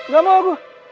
gak mau aku